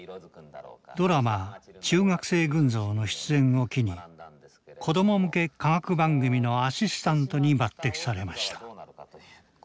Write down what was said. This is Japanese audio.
ドラマ「中学生群像」の出演を機に子ども向け科学番組のアシスタントに抜てきされました。